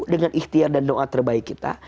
dengan ikhtiar dan doa terbaik kita